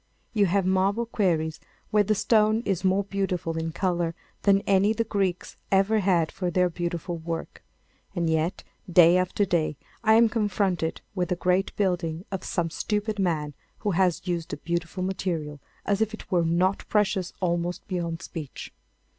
You have marble quarries where the stone is more beautiful in colour than any the Greeks ever had for their beautiful work, and yet day after day I am confronted with the great building of some stupid man who has used the beautiful material as if it were not precious almost beyond speech.